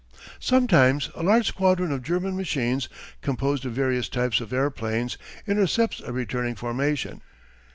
Sometimes a large squadron of German machines, composed of various types of airplanes, intercepts a returning formation.